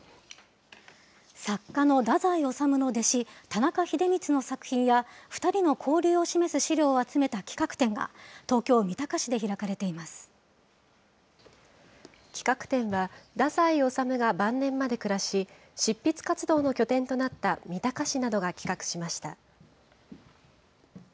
作家の太宰治の弟子、田中英光の作品や、２人の交流を示す資料を集めた企画展が、企画展は、太宰治が晩年まで暮らし、執筆活動の拠点となった三鷹市などが企画しました。